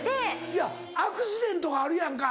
いやアクシデントがあるやんか。